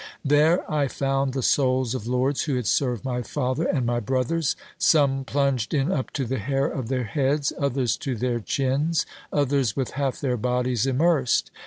There I found the souls of lords who had served my father and my brothers; some plunged in up to the hair of their heads, others to their chins, others with half their bodies immersed.